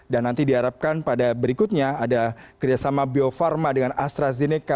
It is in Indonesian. dan nanti diharapkan pada berikutnya ada kerjasama bio farma dengan astrazeneca